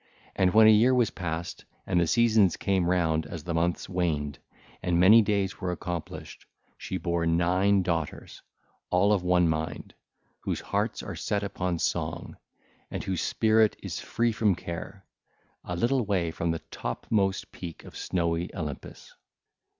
And when a year was passed and the seasons came round as the months waned, and many days were accomplished, she bare nine daughters, all of one mind, whose hearts are set upon song and their spirit free from care, a little way from the topmost peak of snowy Olympus.